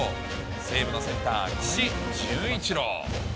西武のセンター、岸潤一郎。